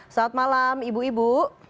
selamat malam ibu ibu